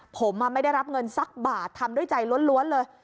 ผมไม่ได้รับเงินสักบาททำด้วยใจล้วนเลย